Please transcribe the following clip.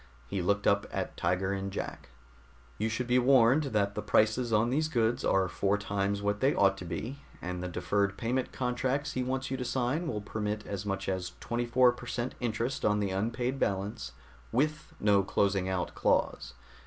He looked up at Tiger and Jack. "You should be warned that the prices on these goods are four times what they ought to be, and the deferred payment contracts he wants you to sign will permit as much as 24 per cent interest on the unpaid balance, with no closing out clause.